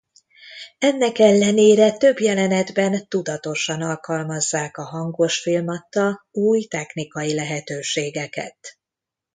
Ennek ellenére több jelenetben tudatosan alkalmazzák a hangosfilm adta új technikai lehetőségeket.